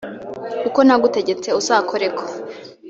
uko nagutegetse uzabikore ko